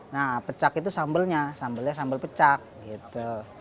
nah pecak itu sambalnya sambalnya sambal pecak gitu